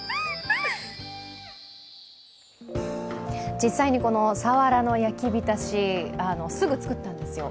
実際にサワラの焼きびたし、すぐ作ったんですよ。